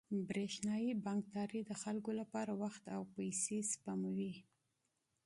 برېښنايي بانکداري د خلکو لپاره وخت او پیسې سپموي.